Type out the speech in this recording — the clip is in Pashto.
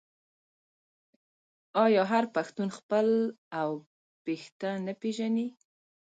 آیا هر پښتون خپل اوه پيښته نه پیژني؟